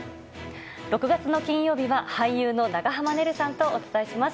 ６月の金曜日は、俳優の長濱ねるさんとお伝えします。